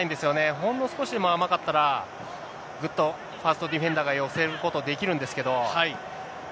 ほんの少しでも甘かったら、ぐっとファーストディフェンダーが寄せることができるんですけど。